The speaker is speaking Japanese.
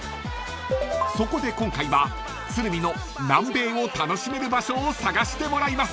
［そこで今回は鶴見の南米を楽しめる場所を探してもらいます］